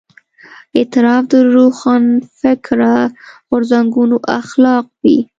اعتراف د روښانفکره غورځنګونو اخلاق وي.